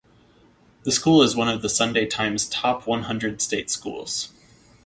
The school is one of The Sunday Times top one hundred state schools.